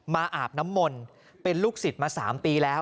อาบน้ำมนต์เป็นลูกศิษย์มา๓ปีแล้ว